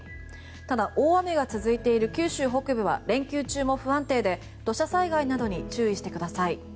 ただ、大雨が続いている九州北部は連休中も不安定で土砂災害などに注意してください。